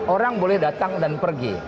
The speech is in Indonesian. orang boleh datang dan pergi